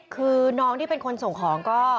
คือน้องที่เป็นคนส่งของก็